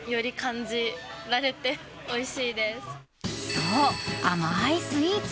そう、甘いスイーツ！